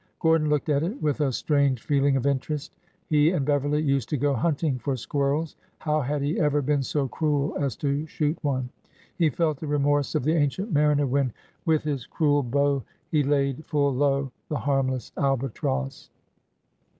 Gor don looked at it with a strange feeling of interest. He and Beverly used to go hunting for squirrels. How had he ever been so cruel as to shoot one? He felt the remorse of the Ancient Mariner wheu With his cruel bow he laid full low The harmless Albatross."